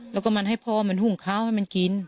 แล้วก็มันให้พ่อมันหุ่งข้าวให้มันกิน